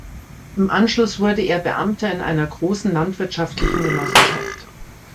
Im Anschluss wurde er Beamter in einer großen landwirtschaftlichen Genossenschaft.